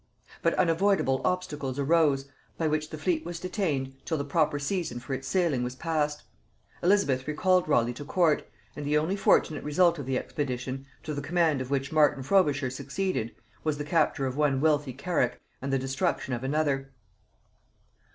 But unavoidable obstacles arose, by which the fleet was detained till the proper season for its sailing was past: Elizabeth recalled Raleigh to court; and the only fortunate result of the expedition, to the command of which Martin Frobisher succeeded, was the capture of one wealthy carrack and the destruction of another.